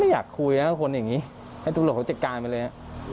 ไม่อยากคุยนะกับคนอย่างนี้ให้ตัวเหลือเขาเจ็ดการไปเลย